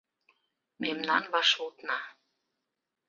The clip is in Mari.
Мемнан вашмутна: